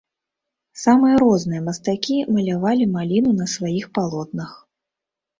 Самыя розныя мастакі малявалі маліну на сваіх палотнах.